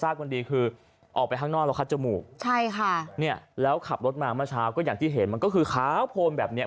เราอันดับ๙ทำไมเราติด